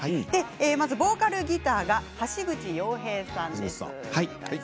まずボーカルギターが橋口洋平さんです。